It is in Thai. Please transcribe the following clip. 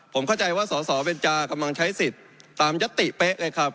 ผมเข้าใจว่าสอสอเบนจากำลังใช้สิทธิ์ตามยติเป๊ะเลยครับ